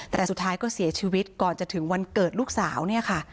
แต่สุดท้ายก็เสียชีวิตก่อนจะถึงวันเกิดลูกสาวเนี่ยค่ะ